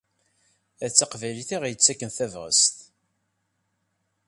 D taqbaylit i ɣ-yettaken tabɣest.